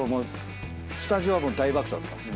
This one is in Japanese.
スタジオは大爆笑だったんですよ。